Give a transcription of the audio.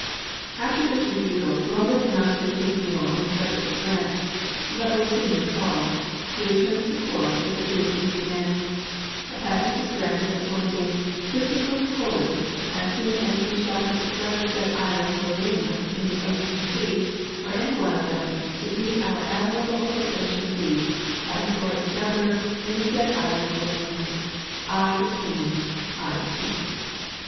After this refusal Columbus mounted his mule and started for France, but was soon recalled ; he returned to the court, which agreed to his demands. A patent was granted appointing " Chris topher Colon, as soon as he shall have discovered said islands or mainlands in the ocean sea, or an}^ one of them, to be our ad miral of the ocean sea, viceroy and governor, in the said islands or mainland : I the Queen ; I the King."